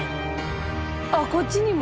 あっこっちにも。